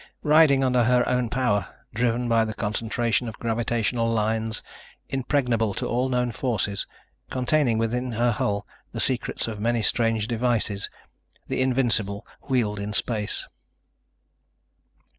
Riding under her own power, driven by the concentration of gravitational lines, impregnable to all known forces, containing within her hull the secrets of many strange devices, the Invincible wheeled in space.